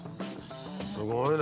すごいね。